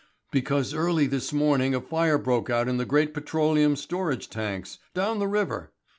"Because early this morning a fire broke out in the great petroleum storage tanks, down the river.